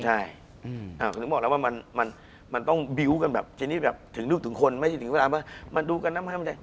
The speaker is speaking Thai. ใช่คือถึงบอกแล้วว่ามันต้องบิ้วกันแบบที่นี่แบบถึงลูกถึงคนไม่ถึงเวลามาดูกันนั้นไม่ได้